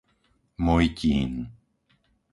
Mojtín